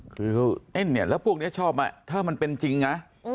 คือเนี่ยแล้วพวกนี้ชอบมาถ้ามันเป็นจริงนะ